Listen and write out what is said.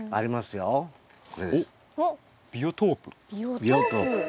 ビオトープ？